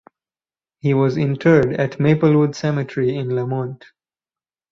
He was interred at Maplewood Cemetery in Lamont.